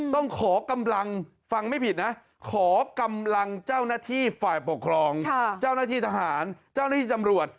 ต้องขอกำลังเจ้าหน้าที่ฝ่ายปกครองเจ้าหน้าที่ทหารเจ้าหน้าที่จำรวจ